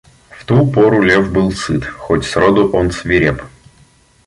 В ту пору лев был сыт, хоть сроду он свиреп.